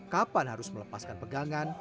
kapan harus melepaskan pegangan